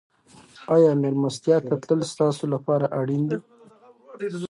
آیا مېلمستیا ته تلل ستاسو لپاره اړین دي؟